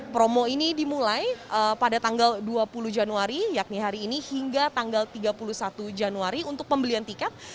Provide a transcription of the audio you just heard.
promo ini dimulai pada tanggal dua puluh januari yakni hari ini hingga tanggal tiga puluh satu januari untuk pembelian tiket